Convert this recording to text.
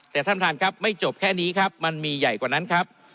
แต่ท่านประธานครับไม่จบแค่นี้ครับมันมีใหญ่กว่านั้นครับ